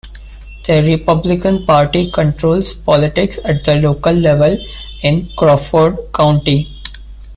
The Republican Party controls politics at the local level in Crawford County.